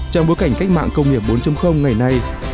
trong bối cảnh cách mạng công nghiệp bốn ngày nay